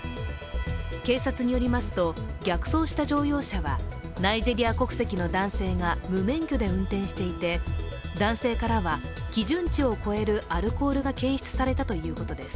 警察によりますと、逆走した乗用車はナイジェリア国籍の男性が無免許で運転していて、男性からは基準値を超えるアルコールが検出されたということです。